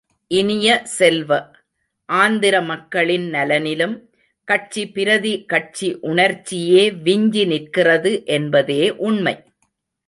இனிய செல்வ, ஆந்திர மக்களின் நலனிலும், கட்சி பிரதி கட்சி உணர்ச்சியே விஞ்சி நிற்கிறது என்பதே உண்மை!